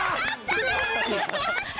やった！